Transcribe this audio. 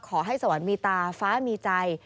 ขอให้สวรรค์มีตาฟ้ามีใจ